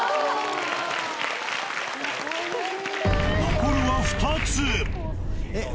残るは２つ。え？